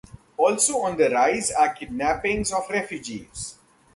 Also on the rise are kidnappings of refugees.